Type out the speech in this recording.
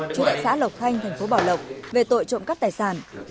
trú tại xã lộc thanh tp bảo lộc về tội trộm cắp tài sản